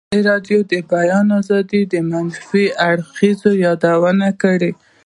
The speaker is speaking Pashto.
ازادي راډیو د د بیان آزادي د منفي اړخونو یادونه کړې.